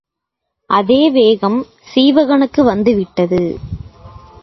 அதே வேகம் சீவகனுக்கு வந்துவிட்டது.